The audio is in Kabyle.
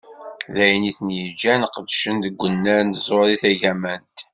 D ayen i ten-yeǧǧan qeddcen deg unnar n tẓuri tagamant.